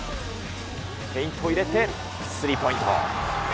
フェイント入れて、スリーポイント。